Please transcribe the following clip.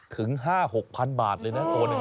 ถึง๕๖พันบาทเลยนะตัวนั้น